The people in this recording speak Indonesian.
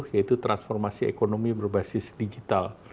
yaitu transformasi ekonomi berbasis digital